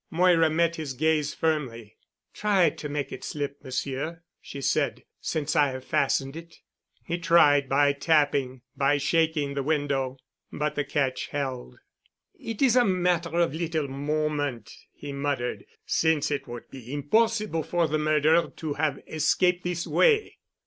Moira met his gaze firmly. "Try to make it slip, Monsieur," she said, "since I have fastened it." He tried by tapping—by shaking the window, but the catch held. "It is a matter of little moment," he muttered, "since it would be impossible for the murderer to have escaped by this way."